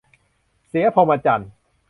เสียพรหมจรรย์